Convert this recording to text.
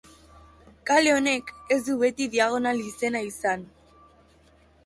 Kale honek ez dut beti Diagonal izena izan.